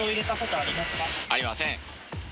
ありません。